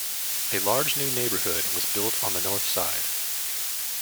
A large new neighbourhood was built on the north side.